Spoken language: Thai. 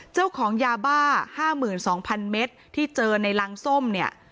เจ้าของยาบ้า๕๒๐๐๐เมตรที่เจอในรังส้มเนี่ย